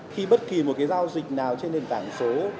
khi bất kỳ một cái giao dịch nào trên nền tảng số